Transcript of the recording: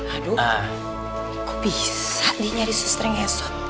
aduh kok bisa dia nyari suster mesot